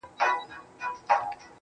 اوس مي تعويذ له ډېره خروښه چاودي.